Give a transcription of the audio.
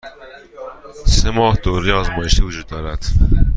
سه ماه دوره آزمایشی وجود دارد.